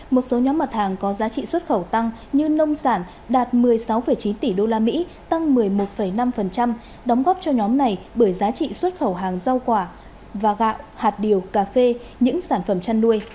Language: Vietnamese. một số nhóm mặt hàng có giá trị xuất khẩu tăng như nông sản đạt một mươi sáu chín tỷ usd tăng một mươi một năm đóng góp cho nhóm này bởi giá trị xuất khẩu hàng rau quả và gạo hạt điều cà phê những sản phẩm chăn nuôi